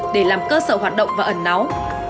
để làm cơ sở hoạt động và ẩn náu